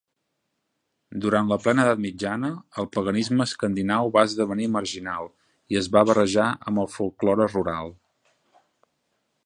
Durant la plena edat mitjana, el paganisme escandinau va esdevenir marginal i es va barrejar amb el folklore rural.